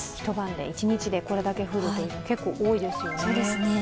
一日でこれだけ降るというのは結構多いですよね。